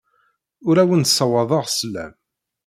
Ur awen-d-ssawaḍeɣ sslam.